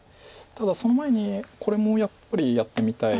ただその前にこれもやっぱりやってみたい。